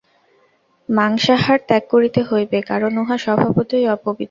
মাংসাহার ত্যাগ করিতে হইবে, কারণ উহা স্বভাবতই অপবিত্র।